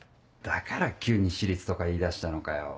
だから急に私立とか言い出したのかよ？